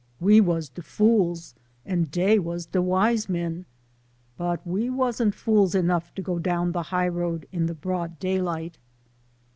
" We was de fools, and dey was de wise men ; but we wasn't fools enough to go down de high road in de broad daylight."